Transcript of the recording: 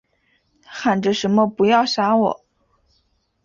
喊着什么不要杀我